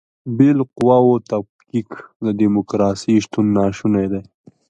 بې له قواوو تفکیک د دیموکراسۍ شتون ناشونی دی.